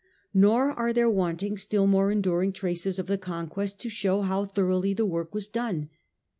Nor are there wanting still more enduring traces of the conquest to show how thoroughly the work was done.